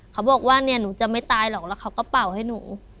เขาบอกว่าเนี่ยหนูจะไม่ตายหรอกแล้วเขาก็เป่าให้หนู